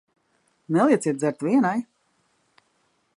Nelieciet dzert vienai.